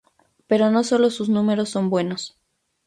Pero no sólo sus números son buenos.